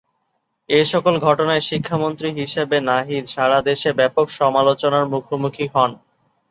এসকল ঘটনায় শিক্ষামন্ত্রী হিসেবে নাহিদ সারাদেশে ব্যাপক সমালোচনার মুখোমুখি হন।